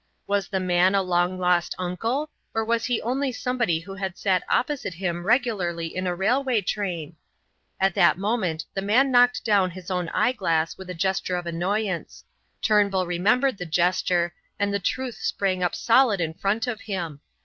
Was the man a long lost uncle, or was he only somebody who had sat opposite him regularly in a railway train? At that moment the man knocked down his own eye glass with a gesture of annoyance; Turnbull remembered the gesture, and the truth sprang up solid in front of him.